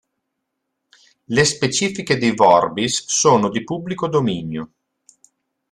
Le specifiche di Vorbis sono di pubblico dominio.